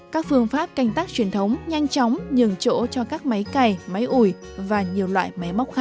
các phương pháp canh tác truyền thống nhanh chóng nhường chỗ cho các máy cày máy ủi và nhiều loại máy móc khác